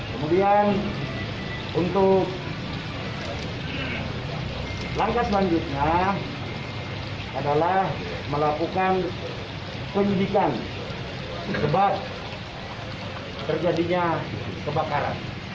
kemudian untuk langkah selanjutnya adalah melakukan penyidikan kebab terjadinya kebakaran